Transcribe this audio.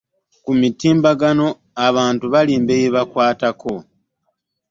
ku mutimbagano abantu balimba ebibakwatako.